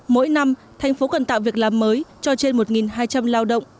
mỗi năm thành phố cần tạo việc làm mới cho trên một hai trăm linh lao động